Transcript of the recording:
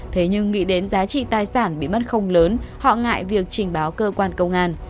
thế nhưng nghĩ đến giá trị tài sản bị mất không lớn họ ngại việc trình báo cơ quan công an